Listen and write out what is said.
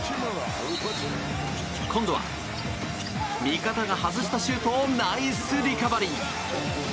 今度は味方が外したシュートをナイスリカバリー！